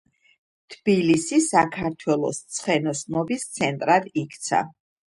თბილისი საქართველოს ცხენოსნობის ცენტრად იქცა.